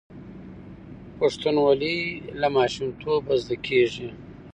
پښتونولي له ماشومتوبه زده کیږي.